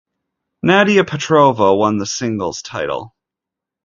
Nadia Petrova won the singles title.